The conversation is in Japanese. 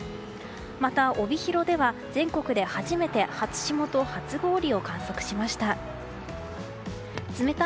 また帯広では全国で初めて初霜と初氷を観測しました。